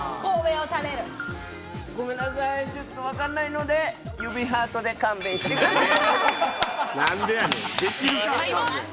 ごめんなさい、ちょっとわかんないので指ハートで勘弁してください。